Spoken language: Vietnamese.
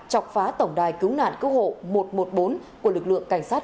chọc phá tổng đài cứu nạn cứu hộ một trăm một mươi bốn của lực lượng cảnh sát